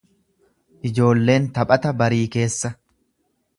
Ijoolleen taphata barii keessa.